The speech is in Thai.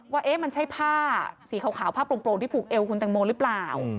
ว่ามันใช่ผ้าสีขาวผ้าโปร่งที่ผูกเอวคุณตังโมหรือเปล่า